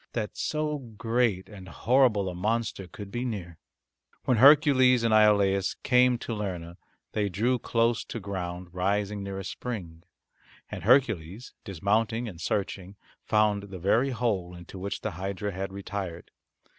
That so great and horrible a monster could be near! When Hercules and Iolaus came to Lerna they drew close to ground rising near a spring, and Hercules dismounting and searching found the very hole into which the hydra had retired.